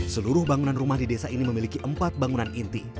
seluruh bangunan rumah di desa ini memiliki empat bangunan inti